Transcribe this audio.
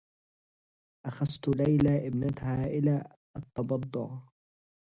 أخذت ليلى إبنتها إلى التّبضّع.